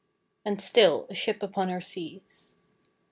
And still, a ship upon her seas.